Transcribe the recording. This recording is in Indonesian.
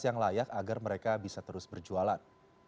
yang layak agar mereka bisa terus berjualan